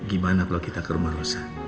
gimana kalau kita ke rumah rusak